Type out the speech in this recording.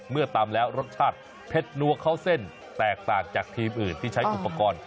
เมื่อตำแล้วรสชาติเผ็ดนัวเข้าเส้นแตกต่างจากทีมอื่นที่ใช้อุปกรณ์